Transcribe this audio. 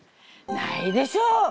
ないでしょ。